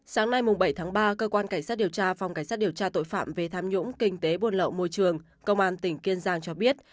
sáng nay bảy tháng ba cơ quan cảnh sát điều tra phòng cảnh sát điều tra tội phạm về tham nhũng kinh tế buôn lậu môi trường công an tỉnh kiên giang cho biết